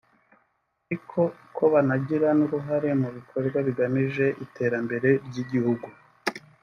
ariko ko banagira n’uruhare mu bikorwa bigamije iterambere ry’igihugu